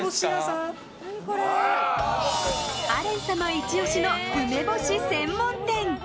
アレン様イチ押しの梅干し専門店。